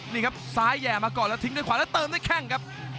นี่ครับซ้ายแห่มาก่อนแล้วทิ้งด้วยขวาแล้วเติมด้วยแข้งครับ